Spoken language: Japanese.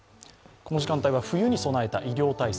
この時間帯は冬に備えた医療体制。